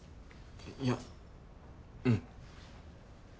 いやうん。